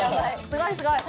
すごいすごい。